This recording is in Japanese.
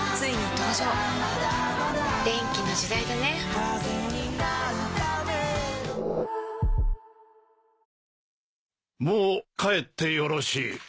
花王もう帰ってよろしい。